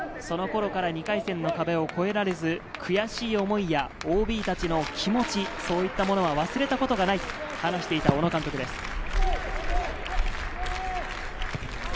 その頃から２回戦の壁を越えられず、悔しい思いやＯＢたちの気持ち、そういったものは忘れたことがないと話していた小野監督です。